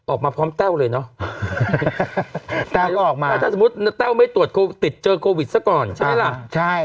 ออกมาพร้อมแต้วเลยเนอะแต้วออกมาถ้าสมมุติแต้วไม่ตรวจโควิดเจอโควิดซะก่อนใช่ไหมล่ะใช่